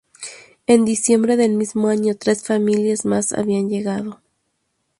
En diciembre del mismo año, tres familias más habían llegado.